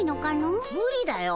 むりだよ！